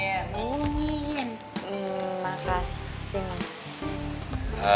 ehm makasih mas